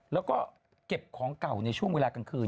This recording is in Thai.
แล้วก็เก็บของเก่าในช่วงเวลากลางคืน